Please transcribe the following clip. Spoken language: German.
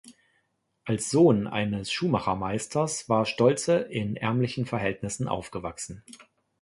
Als Sohn eines Schuhmachermeisters war Stolze in ärmlichen Verhältnissen aufgewachsen.